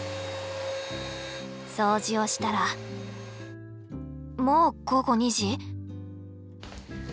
掃除をしたらもう午後２時？